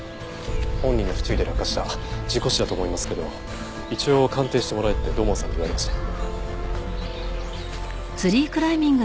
本人の不注意で落下した事故死だと思いますけど一応鑑定してもらえって土門さんに言われまして。